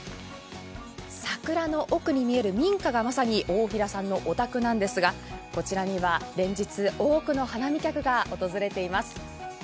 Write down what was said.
桜の奥に見える民家がまさに大平山のお宅なんですが、こちらには連日、多くの花見客が訪れています。